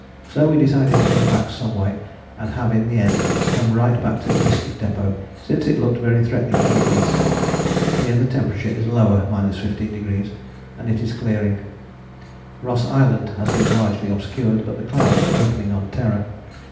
"So we decided to come back some way, and have in the end come right back to the Biscuit Depôt, since it looked very threatening to the east. Here the temperature is lower ( 15°) and it is clearing. Ross Island has been largely obscured, but the clouds are opening on Terror.